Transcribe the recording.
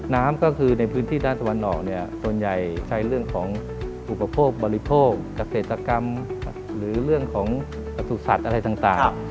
น้ำก็คือในพื้นที่ด้านสวรรค์ส่วนใหญ่ใช้เรื่องของอุปโภคบริโภคกักเศรษฐกรรมหรือเรื่องของประสุทธิ์สัตว์อะไรต่าง